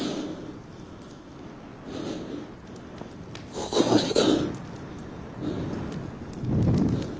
ここまでか。